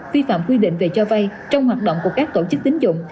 vi phạm quy định về cho vay trong hoạt động của các tổ chức tín dụng